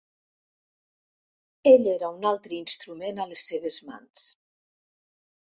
Ell era un altre instrument a les seves mans.